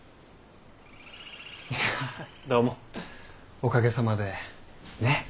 いやどうもおかげさまでねぇ。